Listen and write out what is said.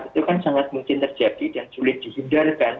itu kan sangat mungkin terjadi dan sulit dihindarkan